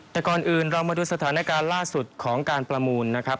แต่ก่อนอื่นเรามาดูสถานการณ์ล่าสุดของการประมูลนะครับ